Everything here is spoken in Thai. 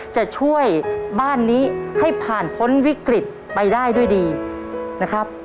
จะช่วยบ้านนี้ให้ผ่านพ้นวิกฤตไปได้ด้วยดีนะครับ